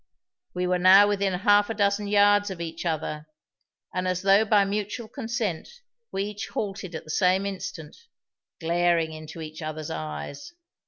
We were now within half a dozen yards of each other, and as though by mutual consent we each halted at the same instant, glaring into each other's eyes.